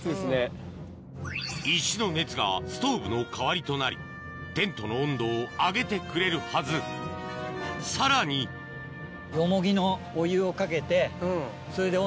石の熱がストーブの代わりとなりテントの温度を上げてくれるはずさらにこっち置いとくね